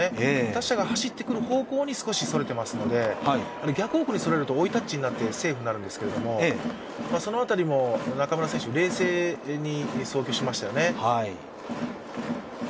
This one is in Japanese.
打者が走ってくる方向にそれていますので、逆方向になるとセーフになるんですけど、その辺りも中村選手、冷静に送球しましたよね。